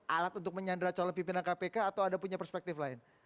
alat untuk menyandra calon pimpinan kpk atau ada punya perspektif lain